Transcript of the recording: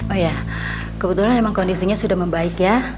oh iya kebetulan emang kondisinya sudah membaik ya